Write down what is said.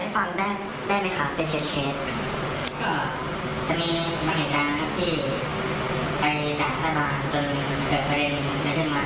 หรือว่านั้นก็จะการรีบของที่มีการสอบสารอะไรบ้าง